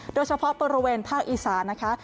โดยเฉพาะบริเวณภาคอีสานนะคะ